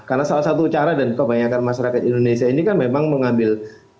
karena salah satu cara dan kebanyakan masyarakat indonesia ini kan memang mengambil